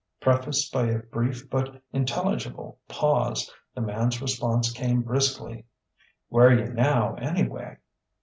Prefaced by a brief but intelligible pause, the man's response came briskly: "Where are you now, anyway?"